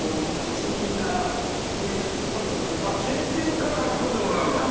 新品からはき込んでもらうの。